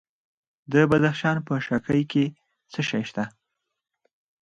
د بدخشان په شکی کې څه شی شته؟